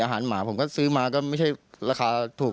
หมาผมก็ซื้อมาก็ไม่ใช่ราคาถูก